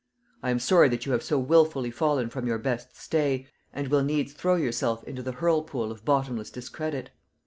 I am sorry that you have so wilfully fallen from your best stay, and will needs throw yourself into the hurlpool of bottomless discredit.